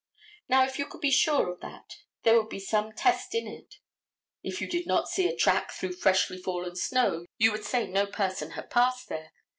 Now, if you could be sure of that there would be some test in it. If you did not see a track through freshly fallen snow you would say no person had passed there.